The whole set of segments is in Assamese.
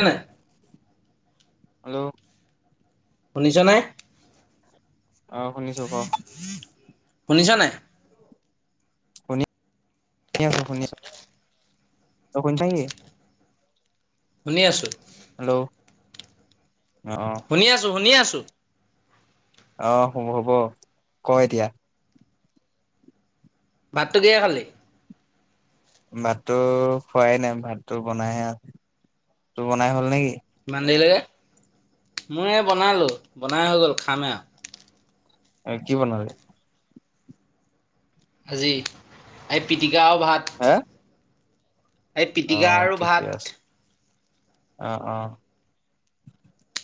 এনে হেল্ল' শুনিছ নে আহ শুনিছো ক শুনিছ নাই শুনি শুনি আছো। শুনি আছো। তই শুনিছ নি শুনি আছো। অ শুনি আছো। শুনি আছো। টো অ হ'ব, হ'ব। ক এতিয়া। ভাতটো কিহেৰে খালি? ভাতটো খোৱাই নাই। ভাতটো বনাইহে আছে। তোৰ বনাই হ'ল নে কি? ইমান দেৰি লৈকে। মই এই বনাই আছোঁ। বনাই হৈ গ'ল, খামে আৰু। কি বনালি? আজি আই পি টি। গাওঁ ভাত এটি হে এই অ পিটিকা আৰু ঠিকে ভাত। আছে অ, অ।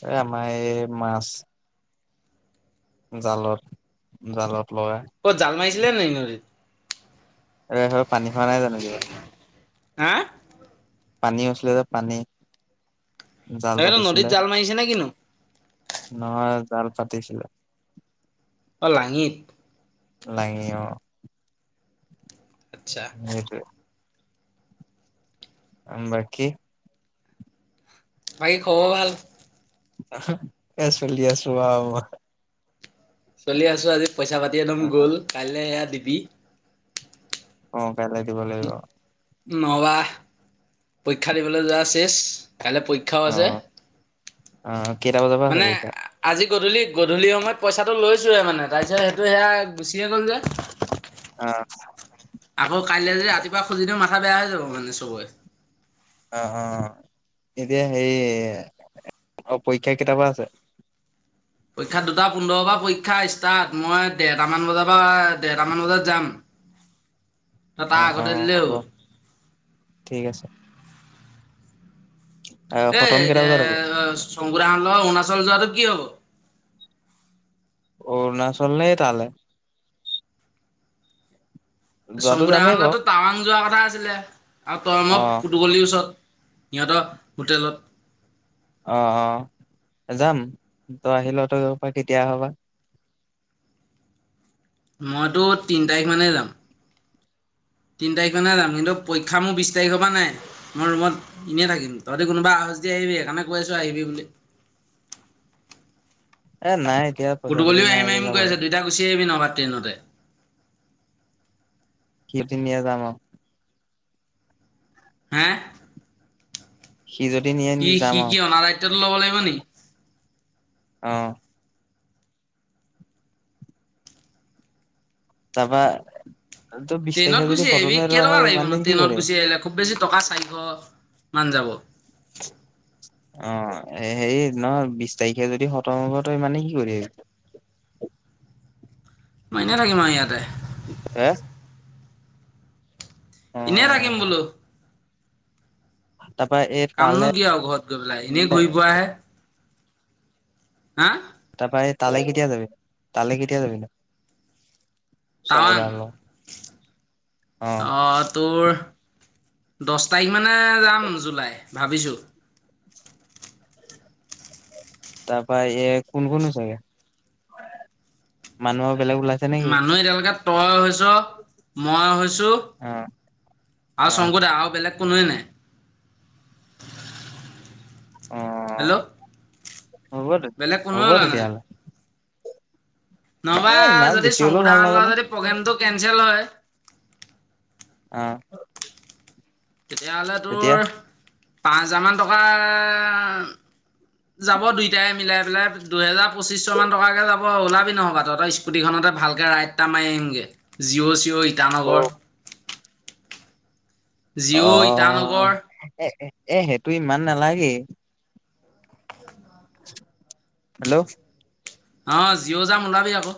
এই আমাৰ এই মাছ জালত, জালত। লগা ক'ত জাল মাৰিছে? মাৰিছিলে নেকি নদীত? আহহ পানী হোৱা নাই জানো কিবা? হা? পানী হৈছিলে যে পানী। জাল তাকেটো পাতিছিলে নদীত জাল মাৰিছে নে কিনো? নহয় জাল পাতিছিলে। অ লাঙিত। লাঙি অ। আচ্ছা সেইটোৱে। অ, বাকী? বাকী খবৰ ভাল। নাখাইক এ চলি আছো আৰু। চলি আছো। আজি পইচা পাতি একদম গ'ল। কাইলৈ এয়া বি অ কাইলে দিব লাগিব। নহবা পৰীক্ষা দিবলৈ যোৱা চেছ। কাইলৈ পৰীক্ষাও অ আছে। অ। কেইটা বজাৰ পৰা আছে মানে পৰীক্ষা? আজি গধূলি, গধূলি সময়ত পইচাটো লৈছোঁৱে মানে। তাৰপিছত সেইটো সেয়া গুচিয়ে গ'ল যে। অ। আকৌ কাইলৈ যদি ৰাতিপুৱা খুজি দিওঁ মাথা বেয়া হৈ যাব মানে চবৰে। অ, অ। এতিয়া হেৰি পৰীক্ষা কেইটা পা আছে? পৰীক্ষাত দুটা পোন্ধৰৰ পৰা পৰীক্ষা ষ্টাৰ্ট, মই দেৰটামান বজাৰ পৰা ডেৰটামান বজাত যাম। ত তাৰ অ অ আগতে দিলেই হ'ব হ'ল। ঠিক আছে। অ', এ খতম কেইটা এ বজাত হ'ব? [inaudible] সংগো দা হঁতৰলগত অৰুণাচল যোৱাটো কি হব? অৰুণাচল লে তালে। যোৱাটো চংকুদা যামেই হঁতৰ বাৰু। লগতটো টাৱানং যোৱা কথা আছিলে। আৰু তই মই অ', ফুটুকলিৰ ওচৰত। সিহঁতৰ হোটেলত অ অ যাম তই আহিল ত পৰা কেতিয়া আহ বা? মইতো তিনি তাৰিখ মানেই যাম। তিনি তাৰিখমানে যাম। কিন্তু পৰীক্ষা মোৰ বিশ তাৰিখৰ পৰা নাই, মই ৰুমত এনেই থাকিম, তহঁতি কোনোবা আহা যদি আহিবি সেইকাৰণে কৈ আছোঁ আহিবি বুলি। এ নাই এতিয়া পইচা পাতি ফুটকলিও নাই আহিম এতিয়া আহিম কৈ যাবলে। আছে দুইওটা গুচি আহিবি নহবা। ট্ৰেইনতে। কিয় তিনিও যাম আও। হে? সি যদি নিয়ে যাম আও। কি অনা দায়িত্বটো ল'ব লাগিব নেকি? অ। তাৰপৰা ট্ৰেইনত গুচি আহিবি, কেই টকা ইমান লাগিব নো দিন কি ট্ৰেইনত কৰিবি? গুচি আহিলে? খুব বেছি টকা চাৰি শ। মান যাব। অ হেৰি নহয বিশ তাৰিখে যদি খতম হ'ব তই মানে কি কৰি মই এনেই থাকিম আও ইয়াতে। হে? এনেই থাকিম অ'। বোলো। [inaudible] তালে কামনো কিয় আও ঘৰত গৈ পেলাই এনেই ঘূৰি পোৱাহে। হা। তাৰপৰা এ তালে কেতিয়া যাবি? তালে কেতিয়া যাবি? টাৱাং শংকুদাৰ লগত অ', অঁ, তোৰ দচ তাৰিখ মানে যাম জুলাই ভাবিছো। [unintelligible] তাৰ পৰা এই কোন কোনো চাগে মানুহৰ বেলেগ ওলাইছে নেকি? মানুহ এতিয়ালৈকে তই [unintelligible] মই হৈছো অ', আৰু অ', শংকুদা আৰু বেলেগ কোনোৱে নাই। [unintelligible] অঁ। হেল্ল'। হ'ব দিয়ক বেলেগ কোনোৱে হ'ব ওলোৱা নাই তেতিয়াহ'লে। এ নহবা ইমান যদি বেছি হ'লেও শংকুদা ভাল হতৰ নহ'ব ন লগত যদি প্ৰগ্ৰেম টো কেনচেল হয়। অঁ। তেতিয়া হ'লে তোৰ পাঁচ হাজাৰ মান টকা যাব দুইটাই মিলাই পেলাই দুহেজাৰ পঁচিশ শ মান টকাকে যাব আৰু ওলাবি নহ'বা তহঁতৰ স্কুটি খনতে ভালকে ৰাইডটা মাৰি আহিম গৈ, জিঅ' চিঅ' আকৌ ইটানগৰ। জিঅ, অ', ইটানগৰ। এ এ সেইটো ইমান নালাগে। হেল্ল'। অ জিঅ' যাম ওলাবি আকৌ।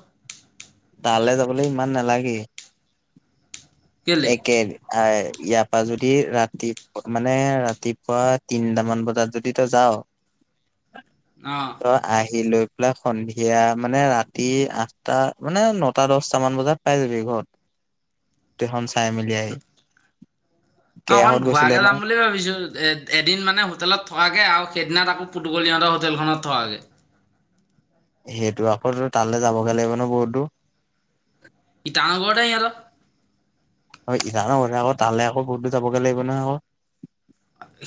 তালৈ যাবলৈ ইমান নালাগেই। কেলে একে ইয়াৰ পৰা যদি ৰাতিপ মানে ৰাতিপুৱা তিনটামান বজাত যদি তই যাও- অ তই আহিলৈ সন্ধিয়া মানে ৰাতি আঠটা মানে নটা দচটা মান বজাত পাই যাবি ঘৰত। গোটেই খন চাই মেলি আহি। অঁ অকমান কেহত গৈছিলে ঘূৰাকে ন যাম বুলি ভাবিছো এ এদিন মানে হোটেলত থকাকে আৰু। সেইদিনাত আকৌ পুটোকলি হোটেলখনত থকাকে। সেইটো আকৌ তালৈ যাবগে লাগিব ন বহুত দূৰ। ইটানগৰত হে সিহঁতৰ। ইটানগৰ আকৌ তালে আকৌ বহুত দূৰ যাবগে লাগিব নহয় আকৌ।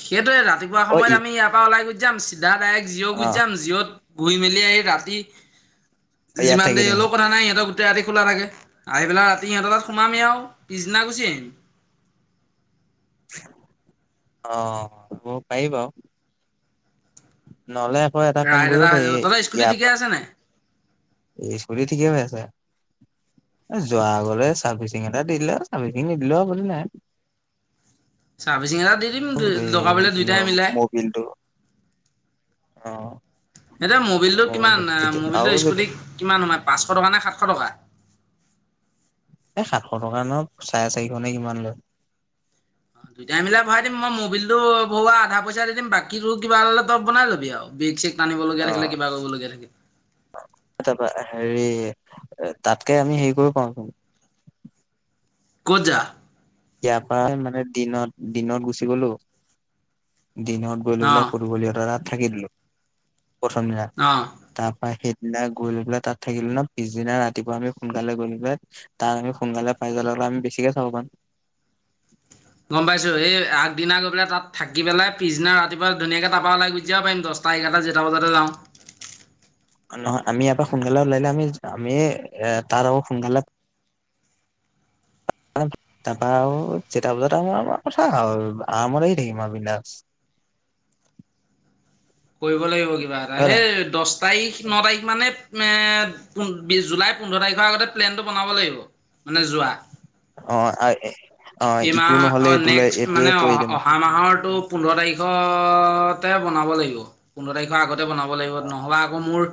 সেইটোয়ে ৰাতিপুৱা অ ই সময়ত আমি ইয়াৰ পৰা ওলাই গুচি যাম চিধা ডাইৰেক্ট জিঅ অ গুচি যাম জিঅত ঘূৰি মেলি আহি ৰাতি ইয়াত যিমান থাকি দেৰি দিম হ'লেও কথা নাই সিহঁতৰ গোটে ৰাতি খোলা থাকে আহি পেলাই ৰাতি সিহঁতৰ তাত সোমাহি আৰু পিছদিনা গুচি আহিম। অঁ হব পাৰি বাৰু। নহলে এটা কাম ৰাইড গ ই এটা হৈ যাব তহঁতৰ স্কুটি ঠিকে আছে নাই কাম কৰিব পাৰি। যোৱা আগলে চাৰ্ভিচিং এটা দিলে চাৰ্ভিচিং নিদিলো নাই। চাৰভিছিং দি দিম এই দাব দুইটাই মিলাই। মবিলটো অ এতিয়া মবিলটো কিমান আৰু মবিলটোৰ যদি স্কুটি কিমান সোমাই পাঁচশ টকা নে সাতশ টকা। এই সাতশ টকা ন চাৰে চাৰিশ নে কিমান লয় অ দুইটাই মিলাই ভৰাই দিম মই মবিলটো ভৰা আধা পইচা দি দিম বাকীটো কিবা উলালে তই বনাই লবি আৰু ব্ৰেক চেক টানিবলগীয়া অ থাকিলে কিবা কৰিবলগীয়া থাকিল তাৰপা হেৰি তাতকে আমি হেৰি কৰিব পাওঁচোন ক'ত যাৱ ইয়াৰ পৰা মানে দিনত দিনত গুচি গলো দিনত গৈ লৈ পেলাই অঁ ফুৰিবলগীয়াত [unintelligible] থাকি দিলো। প্ৰথম দিনা অঁ তাৰপা আহি সেইয়া গৈ লৈ পেলাই তাত থাকিলো ন পিছদিনা ৰাতিপুৱা আমি সোনকালে গৈ পেলাই তাত আমি সোনকালে পাই গলে আমি বেছিকে চাব পাম গম পাইছো এই আগদিনা গৈ পেলাই তাত থাকি পেলাই পিছদিনা ৰাতিপুৱা ধুনীয়াকৈ তাৰপৰা ওলাই গুচি যাব পাৰিম দহটা এঘাৰটা যেইটা বজাতে যাওঁ। নহয় আমি এইয়াৰপৰা সোনকালে ওলাইদিলে আমি আমি তাৰ আকৌ সোনকালে তাৰপা আৰু যেতা বজাত আহো আমাৰ কথা আও আৰামত আহি থাকিম বিন্দাস কৰিব লাগিব। কিবা এটা সেই দচ তাৰিখ ন তাৰিখ মানে জুলাই পোন্ধৰ তাৰিখৰ আগতে প্লেনটো বনাব লাগিব মানে যোৱা। অ অ এই মাহ ইটো নহ'লে অ এইটো ল নেক্সট এইটোৱে মানে অহা কৰি দিম অহা আৰু। মাহৰটো পোন্ধৰ তাৰিখতে বনাব লাগিব। পোন্ধ তাৰিখৰ আগত তে বনাব লাগিব নহলে আকৌ মোৰ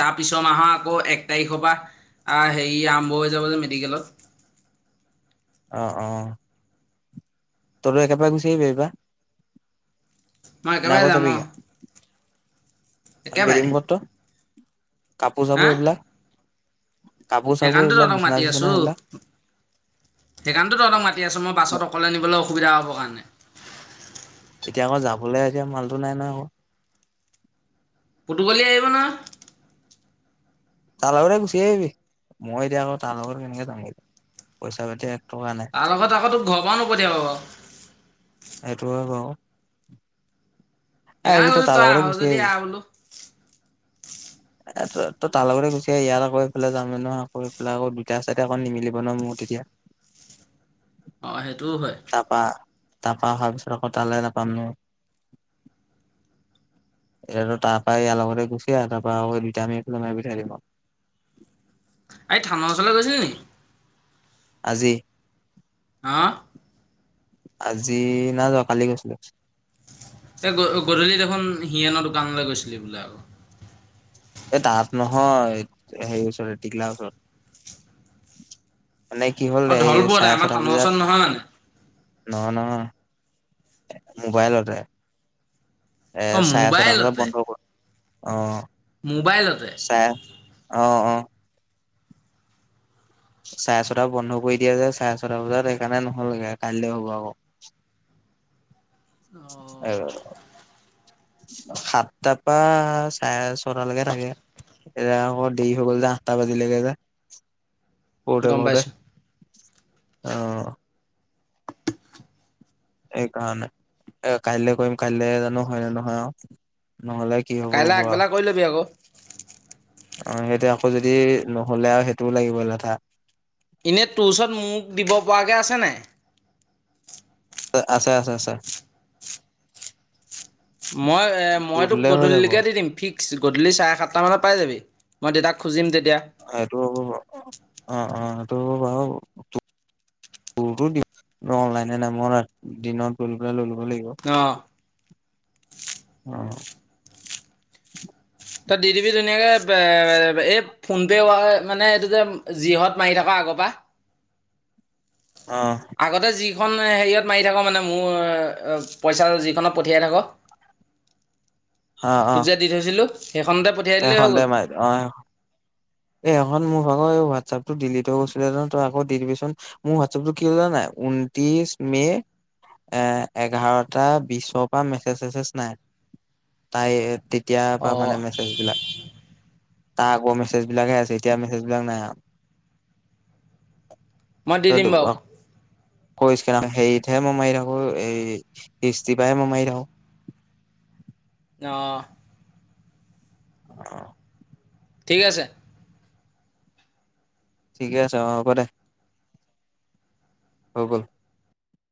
তাৰপিছৰ মাহৰ আকৌ এক তাৰিখৰ পৰা হেৰি আৰম্ভ হৈ যাব যে মেডিকেলত অ অ তাৰপৰা একে বাৰে গুচি আহিব পাৰিবা মই একেবাই যাম বেডিং একেবাৰে পট্ৰ কাপোৰ চাপোৰ এইবিলাক কাপোৰ চাপোৰ সেইকাৰণটো এইবিলাক তহঁতক বিচনা মাতি চিচনা আছো। সেইবিলাক সেইকাৰণটো তহঁতক মাতি আছো। মই বাছত অকলে নিবলৈ সুবিধা হব কাৰণে? এতিয়া আকৌ যাবলৈ এতিয়া মালটো নাই নহ আকৌ পুতুকলি আহিব নহয় তাৰ লগতে গুচি আহিবি মই এতিয়া আকৌ তাৰ লগৰ কেনেকে যাম পইচা পাতি টকা নাই আৰু আগত [unintelligible] আকৌ তোক ঘৰ পাও নোপঠিয়াব আক সেইটো হয় বাৰু সেইকাৰণে আহিবি কৈছো তাৰ তই লগতে আহ গুচি যদি আহিবি আহ বোলো ত তাৰ লগতে গুচি আহ ইয়াৰ আকৌ এইফালে যামে ন আকৌ এইফালে আকৌ দুটা চাইডে আকৌ নিমিলিব ন মোৰ তেতিয়া অ সেইটোও হয় তাৰপা তাৰপা অহাৰ পিছত আকৌ তালৈ নাপাম ন এ তাৰ পৰা ইয়াৰ লগতে গুচি আহ ত বা দুটামি একফ মাৰ পঠাই দিম [unintelligible] এই থানৰ ওচৰলৈ গৈছিলি নি আজি হ আজি না যোৱা কালি গৈছিলো এই গধূলিত দেখোন হিয়েনৰ দোকানলৈ গৈছিলি বোলে আকৌ এ তাত নহয় হেই ওচৰত টিকলা ওচৰত মানে কি হ'ল অ এই ঢল বৰ দা তাই আমাৰ থানৰ ওচৰত নহয় মানে নহ নহ মোবাইলতে এ অ চাৰে ছটা বজাত মোবাইলতে বন্ধ কৰ অ মোবাইলতে চাৰে অ অ চাৰে ছটা বন্ধ কৰি দিয়া যে চাৰে ছটা বজাত সেইকাৰণে নহলগে কাইলে হ'ব আকৌ আহ সাতটাৰ পৰা চাৰে ছটালৈকে থাকে এতিয়া আকৌ দেৰি হৈ গল যে আঠটা বাজিলৈকে যে কৰোঁতে গম কৰোঁতে পাইছো আহ সেইকাৰণে এ কাইলৈ কৰিম কাইলে জানো হয় ন নহয় আৰু নহ'লে কি হ'ব হ'ব কাইলৈ আৰু আগবেলা কৰি লবি আকৌ অ সেইটো আকৌ যদি নহ'লে আৰু সেইটোও লাগিব লেঠা এনেই টোৰচত মোক দিব পৰাকৈ আছে নাই আছে আছে আছে মই মই তোৰ তোক দিলে হৈ যাব গধূলিকে দি দিম ফিক্স গধূলি চাৰে সাত মানত পাই যাবি মইউতাক খুজিম তে আৰু অ অ তটো বাৰু তোৰো দি অনলাই নাম দিনত ত পেলাই ললো ভলেিব অ ত দিদিবি ধুনীয়াকে এই ফোনপে মানে এইটো যে জিহত মাৰি থকা আগৰ পৰা আহ খন নাই হেৰিয়েট মাৰি থাক মানে মোৰ পইচা যে যিখনত পঠিয়াই থাক তোক যে দি থৈছিলো এ খনটে মাৰি দে অ এই এখন মোৰ ভাগৰ এই হোৱাটছএপ টো ডিলিট হৈ গৈছিলে তই আকৌ দি দিবিচোন মোৰ হোৱাটছএপটো কি হলে নাই ঊনত্ৰিশ মে এ এঘাৰটা বিশৰ পৰা মেছেজ চেছেজ নাই তাই কেতিয়াৰ পৰা মানে অঁ মেছেজবিলাক আগৰ মেছেজ মেজ বিলাকে আছে এতিয়া মেছেজ বিলাক নাই মাতি দিম বাও হেইতহে মই মাৰি থাকো এই হিষ্টিৰ পৰাে মই মাৰি থাকো। অঁ ঠিক আছে। ঠিকে আছে অ হ'ব দে হৈ গল